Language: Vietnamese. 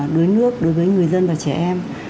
đuối nước đối với người dân và trẻ em